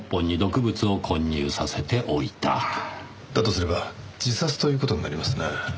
だとすれば自殺という事になりますね。